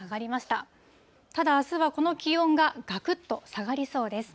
ただあすは、この気温ががくっと下がりそうです。